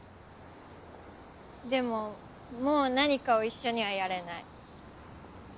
でももう何かを一緒にはやれない。